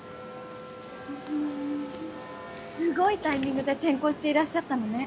すごいタイミングで転校していらっしゃったのね。